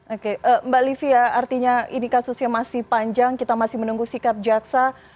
oke mbak livia artinya ini kasusnya masih panjang kita masih menunggu sikap jaksa